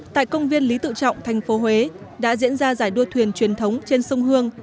tại công viên lý tự trọng thành phố huế đã diễn ra giải đua thuyền truyền thống trên sông hương